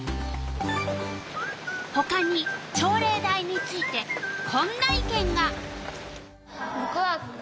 ほかに朝礼台についてこんな意見が。